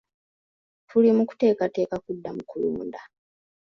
Tuli mu kuteekateeka kuddamu kulonda.